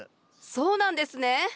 そうなんですね！